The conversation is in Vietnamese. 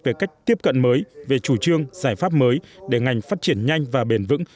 về cách tiếp cận mới về chủ trương giải pháp mới để ngành phát triển nhanh và bền vững